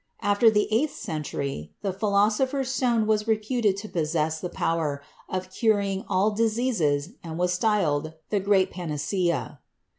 After the eighth century, the Philosopher's Stone was reputed THE LATER ALCHEMISTS 49 to possess the power of curing all diseases and was styled "the great panacea."